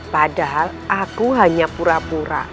padahal aku hanya pura pura